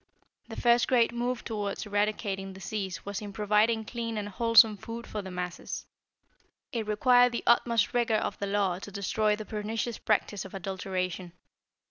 The first great move toward eradicating disease was in providing clean and wholesome food for the masses. It required the utmost rigor of the law to destroy the pernicious practice of adulteration.